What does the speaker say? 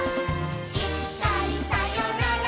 「いっかいさよなら